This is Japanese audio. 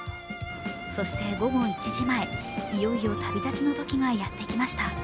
そして午後１時前、いよいよ旅立ちの時がやってきました。